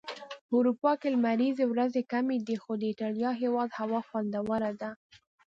په اروپا کي لمريزي ورځي کمی وي.خو د ايټاليا هيواد هوا خوندوره ده